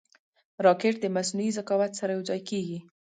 راکټ د مصنوعي ذکاوت سره یوځای کېږي